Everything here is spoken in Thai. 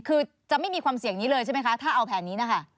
คือจะไม่มีความเสี่ยงนี้เลยใช่ไหมคะถ้าเอาแผนนี้นะคะ